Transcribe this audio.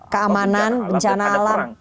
keamanan bencana alam